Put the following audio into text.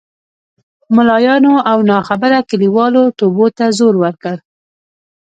ملایانو او ناخبره کلیوالو توبو ته زور ورکړ.